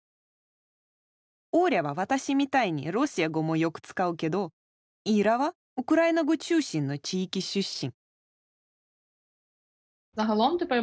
オーリャは私みたいにロシア語もよく使うけどイーラはウクライナ語中心の地域出身。